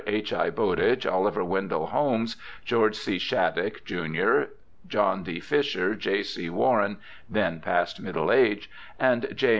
H. I. Bowditch, Oliver Wendell Holmes, George C. Shattuck, jun., John D. Fisher, J. C. Warren (then past middle age), and J.